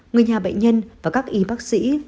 người nhà bệnh nhân và các y bác sĩ